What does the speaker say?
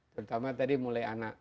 terutama tadi mulai anak